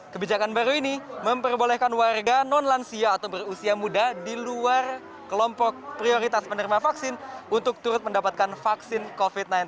kebijakan baru ini memperbolehkan warga non lansia atau berusia muda di luar kelompok prioritas penerima vaksin untuk turut mendapatkan vaksin covid sembilan belas